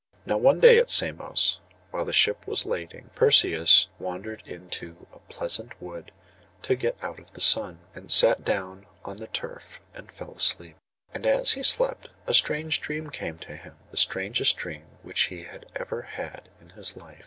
Now one day at Samos, while the ship was lading, Perseus wandered into a pleasant wood to get out of the sun, and sat down on the turf and fell asleep. And as he slept a strange dream came to him—the strangest dream which he had ever had in his life.